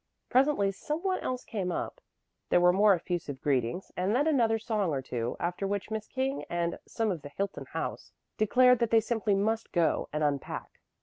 Presently some one else came up, there were more effusive greetings, and then another song or two, after which Miss King and "some of the Hilton House" declared that they simply must go and unpack.